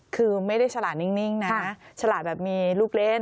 คือไม่ได้ฉลาดนิ่งนะฉลาดแบบมีลูกเล่น